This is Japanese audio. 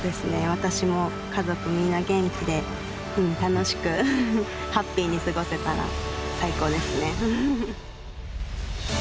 私も家族みんな元気で楽しくハッピーに過ごせたら最高ですね。